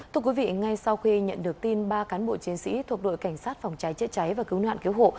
thưa quý vị ngay sau khi nhận được tin ba cán bộ chiến sĩ thuộc đội cảnh sát phòng cháy chữa cháy và cứu nạn cứu hộ